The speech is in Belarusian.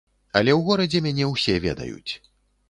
Але ў горадзе мяне ўсе ведаюць.